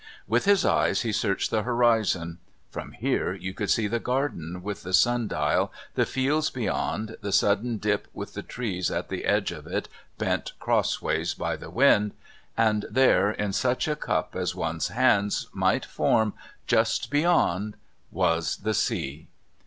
With his eyes he searched the horizon. From here you could see the garden with the sun dial, the fields beyond, the sudden dip with the trees at the edge of it bent crossways by the wind, and there, in such a cup as one's hands might form, just beyond, was the sea...